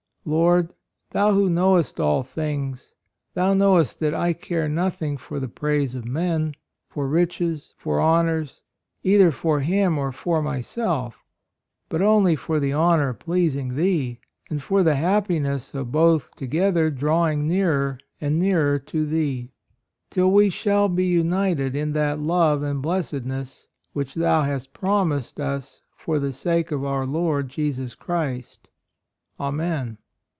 Lord, 28 A ROYAL SON Thou who knowest all things, Thou knowest that I care nothing for the praise of men, for riches, for honors, either for him or for myself; but only for the honor of pleasing Thee and for the happiness of both together drawing nearer and nearer to Thee, till we shall be united in that love and blessed ness which Thou hast promised us for the sake of our Lord Jesus Christ. Amen."